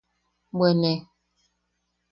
Bwe ne.